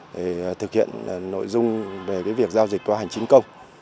để thực hiện nội dung về việc giao dịch qua hành chính công